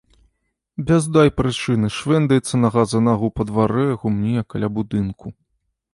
Без дай прычыны швэндаецца нага за нагу па дварэ, гумне, каля будынку.